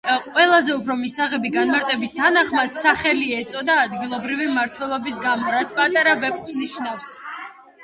ყველაზე უფრო მისაღები განმარტების თანახმად, სახელი ეწოდა ადგილობრივი მმართველის გამო, რაც „პატარა ვეფხვს“ ნიშნავს.